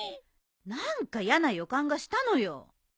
何かやな予感がしたのよ。